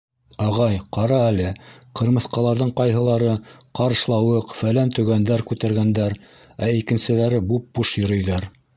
— Ағай, ҡара әле, ҡырмыҫҡаларҙың ҡайһылары ҡарышлауыҡ, фәлән-төгәндәр күтәргәндәр, ә икенселәре буп-буш йөрөйҙәр?